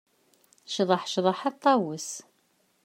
Cḍeḥ, cḍeḥ a ṭṭawes.